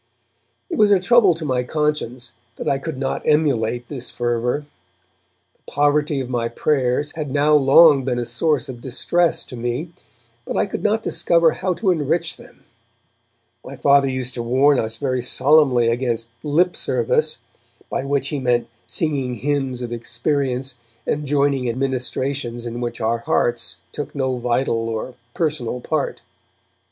It was a trouble to my conscience that I could not emulate this fervour. The poverty of my prayers had now long been a source of distress to me, but I could not discover how to enrich them. My Father used to warn us very solemnly against 'lip service', by which he meant singing hymns of experience and joining in ministrations in which our hearts took no vital or personal part.